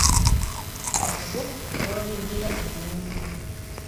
Abo ababa beddira engonge.